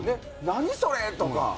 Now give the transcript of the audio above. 何それ！とか。